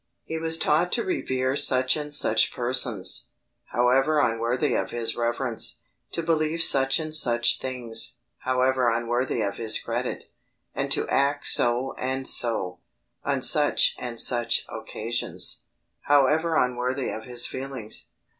He was taught to revere such and such persons, however unworthy of his reverence; to believe such and such things, however unworthy of his credit: and to act so and so, on such and such occasions, however unworthy of his feelings.